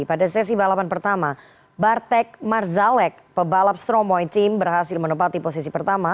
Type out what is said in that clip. pada sesi balapan pertama bartek marzalek pebalap stromoy team berhasil menempati posisi pertama